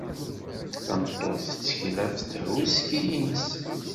Tameṭṭut tettkel ɣef thuski-nnes.